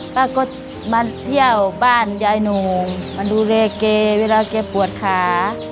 ป้าก็มาเที่ยวบ้านยายโหน่งมาดูแลแกเวลาแกปวดขา